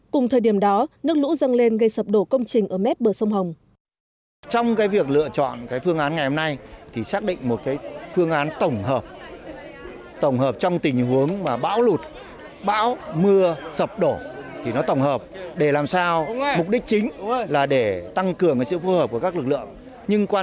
cùng thời điểm đó nước lũ dâng lên gây sập đổ công trình ở mép bờ sông hồng